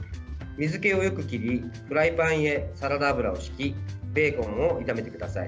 水けをよく切りフライパンへサラダ油をひきベーコンを炒めてください。